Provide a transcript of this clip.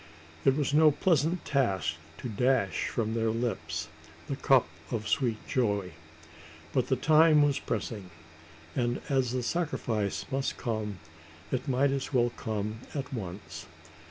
It was no pleasant task to dash from their lips, the cup of sweet joy; but the time was pressing, and as the sacrifice must come, it might as well come at once.